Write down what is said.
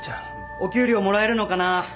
お給料もらえるのかな？